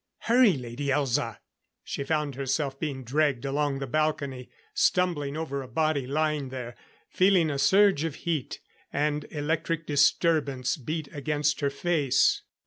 "Hurry, Lady Elza." She found herself being dragged along the balcony; stumbling over a body lying there; feeling a surge of heat and electric disturbance beat against her face.